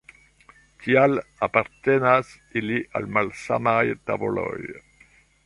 Tial apartenas ili al malsamaj tavoloj.